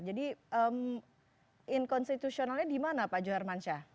jadi inkonstitusionalnya di mana pak johar mansyah